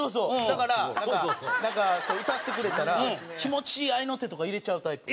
だからなんか歌ってくれたら気持ちいい合いの手とか入れちゃうタイプ。